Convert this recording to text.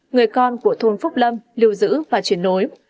người con của thôn phúc lâm lưu giữ và chuyển nối